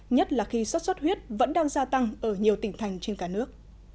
nhất là khi suất suất huyết vẫn đang gia tăng ở nhiều tỉnh thành trên cả nước